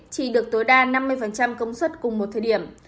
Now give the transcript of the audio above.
chỉ được tối đa năm mươi công suất cùng một thời điểm